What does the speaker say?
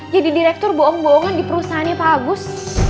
jadi direktur bohong dua an di perusahaannya pak agus